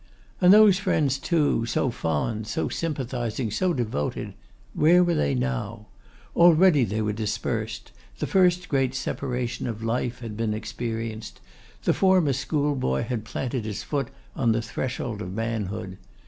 And those friends too, so fond, so sympathising, so devoted, where were they now? Already they were dispersed; the first great separation of life had been experienced; the former schoolboy had planted his foot on the threshold of manhood.